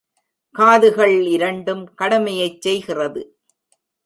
காதுகள் இரண்டும் கடமையைச் செய்கிறது.